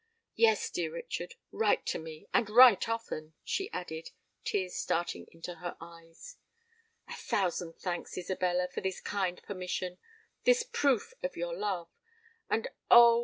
"Yes, dear Richard—write to me;—and write often," she added, tears starting into her eyes. "A thousand thanks, Isabella, for this kind permission—this proof of your love. And, oh!